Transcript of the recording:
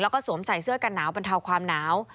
แล้วก็สวมใส่เสื้อกันหนาวบรรเทาความหนาว